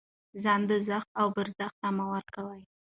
ځان دوزخ او برزخ ته مه ورکوئ.